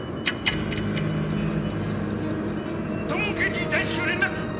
土門刑事に大至急連絡！